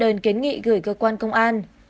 đơn kiến nghị gửi cơ quan công an